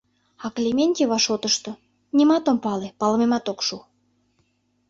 А Клементьева шотышто... — нимат ом пале, палымемат ок шу!